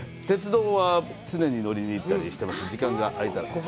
鉄道は常に乗りに行ったりしています、時間があいたら。